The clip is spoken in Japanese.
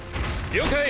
了解！